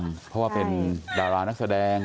เพราะว่าเป็นดารานักแสดง